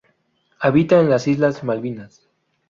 Habita en las islas Malvinas.